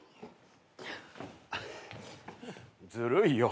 ずるいよ。